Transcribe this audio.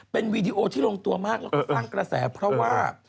เป็นวีดีโอที่ลงตัวมากนอกจากกระแสเพราะว่า